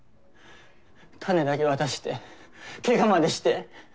種だけ渡してケガまでして。